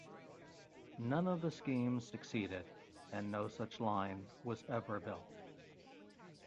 None of the schemes succeeded and no such line was ever built.